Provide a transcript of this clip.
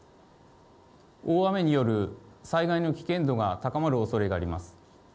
大雨による災害の危険度が高まるおそれがあります。